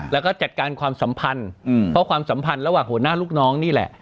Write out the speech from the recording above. แล้วก็จัดการความสัมพันธ์เพราะความสัมพันธ์ระหว่างหัวหน้าลูกน้องนี่แหละ